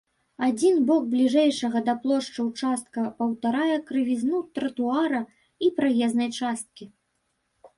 Адзін бок бліжэйшага да плошчы ўчастка паўтарае крывізну тратуара і праезнай часткі.